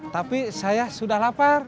tapi saya sudah lapar